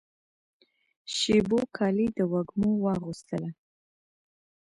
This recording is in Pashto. شېبو کالي د وږمو واغوستله